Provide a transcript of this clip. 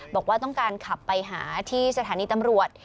บอกว่าต้องการขับไปหาที่สถานีตำรวจ